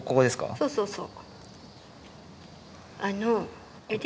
そうそうそう。